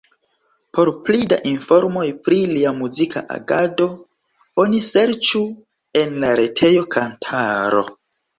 Por pli da informoj pri lia muzika agado, oni serĉu en la retejo Kantaro.